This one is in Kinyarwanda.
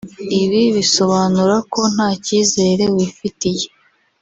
Ibi bisobanura ko nta cyizere wifitiye